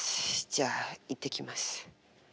じゃあ行ってきます。